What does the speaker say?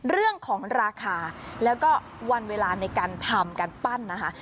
เรื่องของราคาแล้วก็วันเวลาในการทำการปั้นนะคะ